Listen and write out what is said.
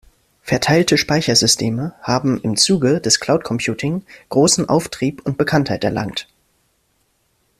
Verteilte Speichersysteme haben im Zuge des Cloud-Computing großen Auftrieb und Bekanntheit erlangt.